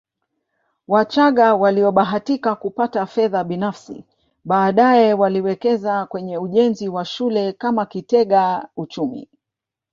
Wachagga waliobahatika kupata fedha binafsi baadaye waliwekeza kwenye ujenzi wa shule kama kitega uchumi